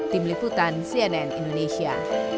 tim liputan cnn indonesia